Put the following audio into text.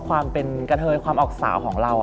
ความเป็นกระเทยความออกสาวของเรา